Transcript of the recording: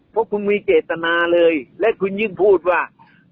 เพราะคุณมีเจตนาเลยและคุณยิ่งพูดว่า